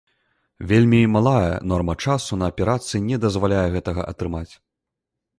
Вельмі малая норма часу на аперацыі не дазваляе гэтага атрымаць.